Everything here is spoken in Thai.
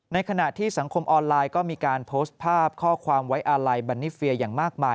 ในขณะที่สังคมออนไลน์ก็มีการโพสต์ภาพข้อความไว้อาลัยบันนิเฟียอย่างมากมาย